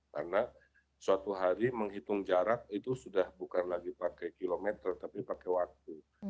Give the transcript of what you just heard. karena suatu hari menghitung jarak itu sudah bukan lagi pakai kilometer tapi pakai waktu